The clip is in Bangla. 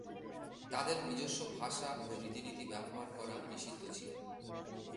তাদের নিজস্ব ভাষা ও রীতিনীতি ব্যবহার করা নিষিদ্ধ ছিল।